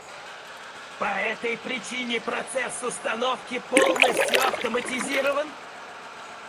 По этой причине процесс установки полностью автоматизирован